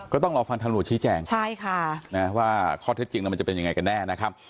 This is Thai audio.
ก็ต้องรอฟันทำรวจชี้แจงว่าข้อเท็จจริงแล้วมันจะเป็นยังไงกันแน่